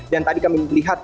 dan tadi kami melihat